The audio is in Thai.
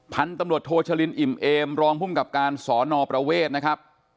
พันธุ์ตำรวจโทชลินอิ่มเอมรองภูมิกับการสอนอประเวทนะครับ